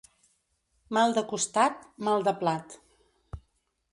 Mal de costat, mal de plat.